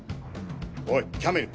おいキャメル！